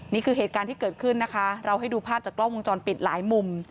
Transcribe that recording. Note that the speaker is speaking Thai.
นี่คือเหตุการณ์ที่เกิดขึ้นนะคะเราให้ดูภาพจากกล้องวงจรปิดหลายมุม